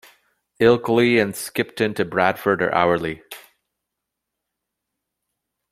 Ilkley and Skipton to Bradford are hourly.